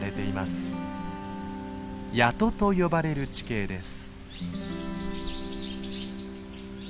「谷戸」と呼ばれる地形です。